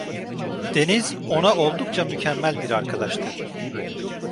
Deniz ona oldukça mükemmel bir arkadaştı.